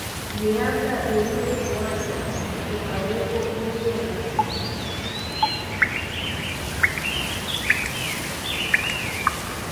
Miaka iliyofuata kukawepo fujo na machafuko